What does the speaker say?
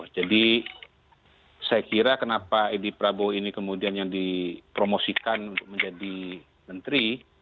jadi saya kira kenapa edi prabowo ini kemudian yang dipromosikan untuk menjadi menteri